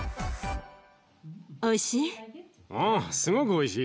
おいしい？